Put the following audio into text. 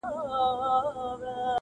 همېشه به په غزا پسي وو تللی!